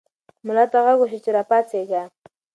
ملا ته غږ وشو چې راپاڅېږه.